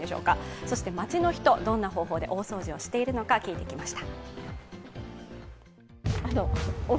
そして、街の人、どんな方法で大掃除をしているのか、聞いてきました。